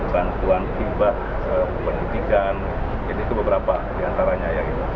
bantuan kibat pendidikan ini itu beberapa di antaranya